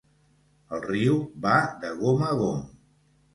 El riu va de gom a gom.